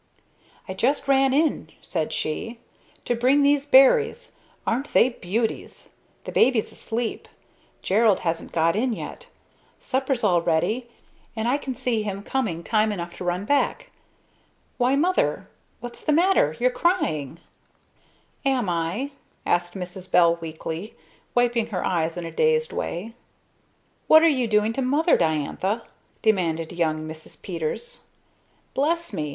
"I just ran in," said she, "to bring those berries. Aren't they beauties? The baby's asleep. Gerald hasn't got in yet. Supper's all ready, and I can see him coming time enough to run back. Why, Mother! What's the matter? You're crying!" "Am I?" asked Mrs. Bell weakly; wiping her eyes in a dazed way. "What are you doing to Mother, Diantha?" demanded young Mrs. Peters. "Bless me!